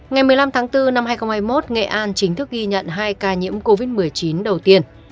ngày một mươi năm tháng bốn năm hai nghìn hai mươi một nghệ an chính thức ghi nhận hai ca nhiễm covid một mươi chín đầu tiên